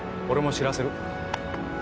俺も知らせる。